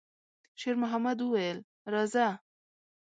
شېرمحمد وویل: «راځه!»